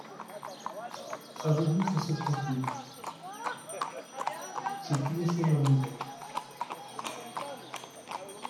Avec vous je suis tranquille… je puis laisser ma maison…